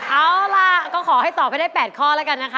เอาล่ะก็ขอให้ตอบไปได้๘ข้อแล้วกันนะคะ